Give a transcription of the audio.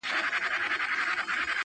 o اوس مي حافظه ډيره قوي گلي ـ